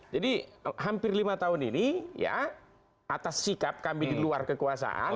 jadi sempir lima tahun ini ya atas sikap kami di luar kekuasaan